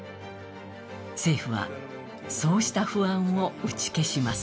政府は、そうした不安を打ち消します。